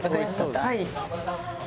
はい。